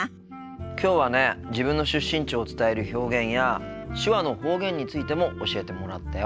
きょうはね自分の出身地を伝える表現や手話の方言についても教えてもらったよ。